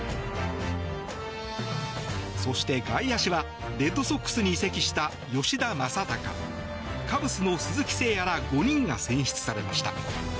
そして外野手はレッドソックスに移籍した吉田正尚カブスの鈴木誠也ら５人が選出されました。